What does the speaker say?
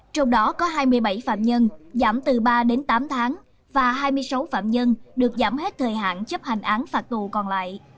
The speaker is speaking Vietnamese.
trong đó có hai mươi bảy phạm nhân giảm từ ba đến tám tháng và hai mươi sáu phạm nhân được giảm hết thời hạn chấp hành án phạt tù còn lại